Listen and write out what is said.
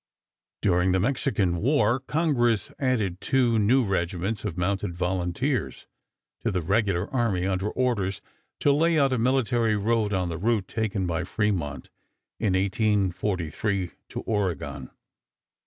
During the Mexican War Congress added two new regiments of mounted volunteers to the regular army under orders to lay out a military road on the route taken by Fremont in 1843 to Oregon.